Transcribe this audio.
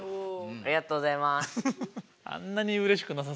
ありがとうございます。